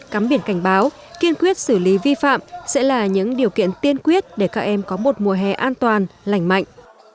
cắm biển cảnh báo kiên quyết xử lý vi phạm sẽ là những điều kiện tiên quyết để các em có một mùa hè an toàn lành mạnh